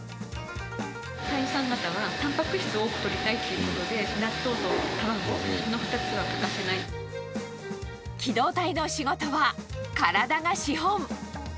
隊員さん方は、たんぱく質を多くとりたいということで、納豆と卵の２つは欠かせ機動隊の仕事は体が資本。